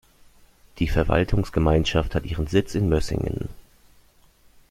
Die Verwaltungsgemeinschaft hat ihren Sitz in Mössingen.